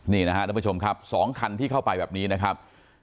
นี่นะครับทุกผู้ชมครับ๒คันที่เข้าไปแบบนี้นะครับ